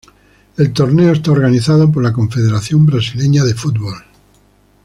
El torneo es organizado por la Confederación Brasileña de Fútbol.